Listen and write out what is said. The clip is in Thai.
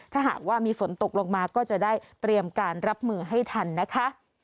ถ้าหากว่ามีฝนตกลงมาก็จะได้เตรียมการรับมือให้ทันนะคะ